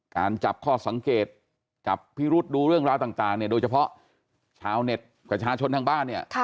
การจับข้อสังเกตจับพิรุษดูเรื่องราวต่างเนี่ยโดยเฉพาะชาวเน็ตประชาชนทางบ้านเนี่ย